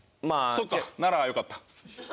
そっかならよかった。